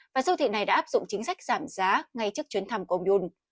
và siêu thị này đã áp dụng chính sách giảm giá ngay trước chuyến thăm của ông yun